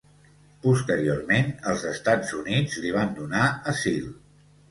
Posteriorment els Estats Units li van donar asil.